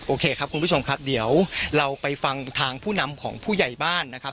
โอเคครับคุณผู้ชมครับเดี๋ยวเราไปฟังทางผู้นำของผู้ใหญ่บ้านนะครับ